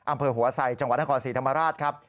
อำเภอหัวไสจังหวัดนครศรีธรรมราชครับ